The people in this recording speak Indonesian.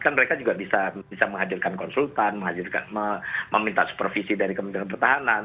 kan mereka juga bisa menghadirkan konsultan meminta supervisi dari kementerian pertahanan